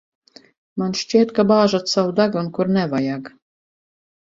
Man šķiet, ka bāžat savu degunu, kur nevajag.